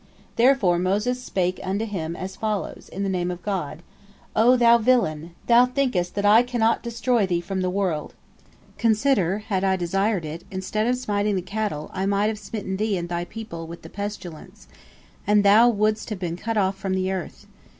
Therefore Moses spake to him as follows, in the name of God: "O thou villain! Thou thinkest that I cannot destroy thee from the world. Consider, if I had desired it, instead of smiting the cattle, I might have smitten thee and thy people with the pestilence, and thou wouldst have been cut off from the earth.